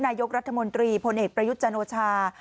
นายกรัฐมนตรีพลเอกประยุทธ์จันโอชา